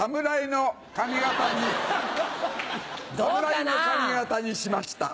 侍の髪形にしました。